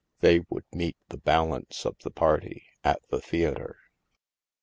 They would meet the balance of the party at the theatre.